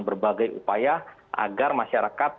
berbagai upaya agar masyarakat